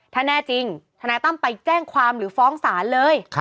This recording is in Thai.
ถ้าแน่จริงทนายตั้มไปแจ้งความหรือฟ้องศาลเลย